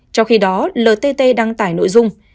trong khi đó ltt đăng tải nội dung